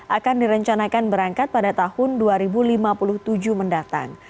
akan direncanakan berangkat pada tahun dua ribu lima puluh tujuh mendatang